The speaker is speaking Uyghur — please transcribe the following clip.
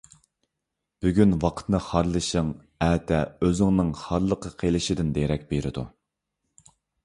بۈگۈن ۋاقىتنى خارلىشىڭ ئەتە ئۆزۈڭنىڭ خارلىققا قېلىشىدىن دېرەك بېرىدۇ.